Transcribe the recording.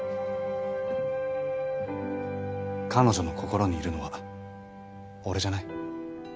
彼女の心にいるのは俺じゃない。